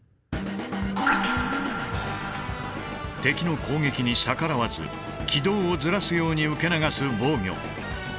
敵の攻撃に逆らわず軌道をずらすように受け流す防御。